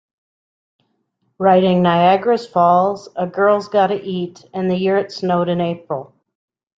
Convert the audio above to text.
Writing Nyagra's Falls, A Girl's Gotta Eat, and The Year it Snowed in April.